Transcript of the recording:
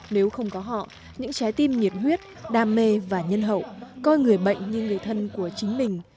nếu không có họ những trái tim nhiệt huyết đam mê và nhân hậu coi người bệnh như người thân của chính mình